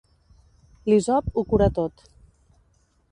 L'hisop ho cura tot.